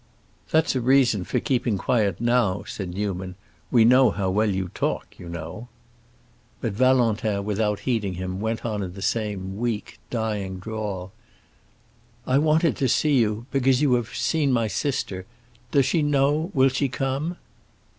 "That's a reason for keeping quiet now," said Newman. "We know how well you talk, you know." But Valentin, without heeding him, went on in the same weak, dying drawl. "I wanted to see you because you have seen my sister. Does she know—will she come?"